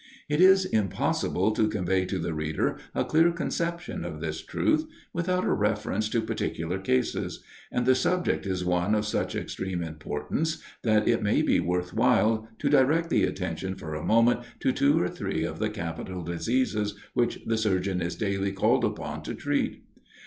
It is impossible to convey to the reader a clear conception of this truth, without a reference to particular cases; and the subject is one of such extreme importance, that it may be worth while to direct the attention for a moment to two or three of the capital diseases which the surgeon is daily called upon to treat.